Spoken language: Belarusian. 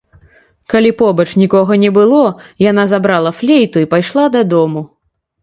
Калі побач нікога не было, яна забрала флейту і пайшла дадому.